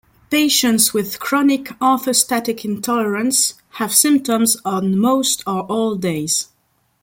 Patients with chronic orthostatic intolerance have symptoms on most or all days.